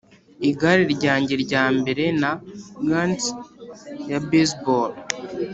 igare ryanjye rya mbere na gants ya baseball.